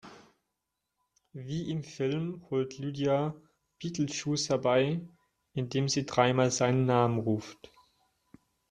Wie im Film holt Lydia Beetlejuice herbei, indem sie dreimal seinen Namen ruft.